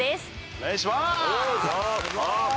お願いします！